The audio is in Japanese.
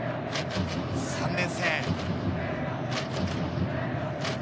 ３年生。